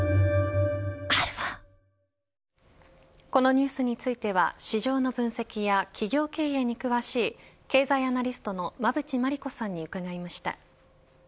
このニュースについては市場の分析や企業経営に詳しい経済アナリストの馬渕磨理子さんに伺いました。